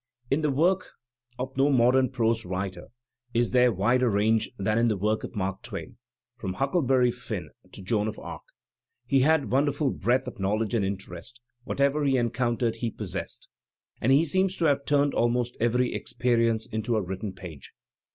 In the work of no modem prose writer is there wider range than in the work of Mark Twain — from "Hucklebeny Finn*' to "Joan of Arc." He had wonderful breadth of knowledge and interest; whatever he encountered he pon dered. And he seems to have turned almost every experi ence into a written page.